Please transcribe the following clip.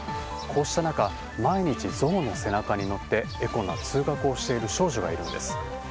こうした中毎日ゾウの背中に乗ってエコな通学をしている少女がいるんです。